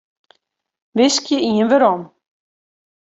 Wiskje ien werom.